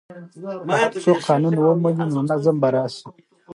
که هر څوک قانون ومني نو نظم به راسي.